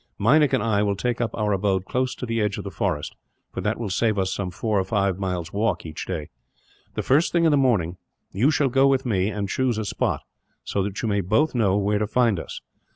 "Meinik and I will take up our abode close to the edge of the forest, for that will save us some four or five miles' walk, each day. The first thing in the morning, you shall go with me and choose a spot; so that you may both know where to find us.